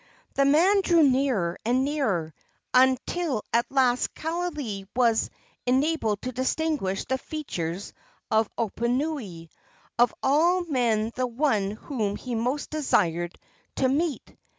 The man drew nearer and nearer, until at last Kaaialii was enabled to distinguish the features of Oponui, of all men the one whom he most desired to meet.